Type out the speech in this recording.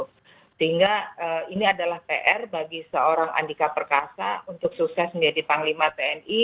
sehingga ini adalah pr bagi seorang andika perkasa untuk sukses menjadi panglima tni